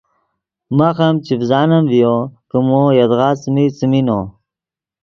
ماخ ام چڤزانم ڤیو کہ مو یدغا څیمین، څیمین نو